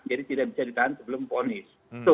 jadi tidak bisa ditahan sebelum ponis